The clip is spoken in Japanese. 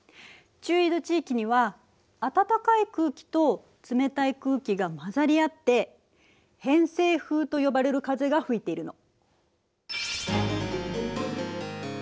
中緯度地域には暖かい空気と冷たい空気が混ざり合って「偏西風」と呼ばれる風が吹いているの。